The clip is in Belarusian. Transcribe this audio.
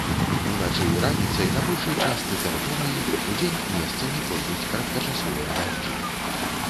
Уначы і раніцай на большай частцы тэрыторыі, удзень месцамі пройдуць кароткачасовыя дажджы.